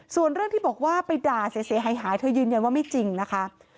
ส่วนเรื่องที่บอกว่าไปด่าเสียหายเธอยืนยันว่าไม่จริงนะคะ